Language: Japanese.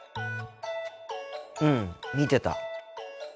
うん見てた。